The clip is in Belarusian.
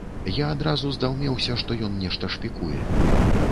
Я адразу здаўмеўся, што ён нешта шпікуе.